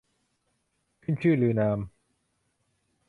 ขึ้นชื่อลือนาม